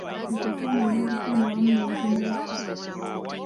Ekyo kyonoona obutonde awamu nobugimu bw'ettaka.